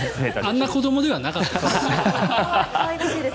あんな子どもではなかったです。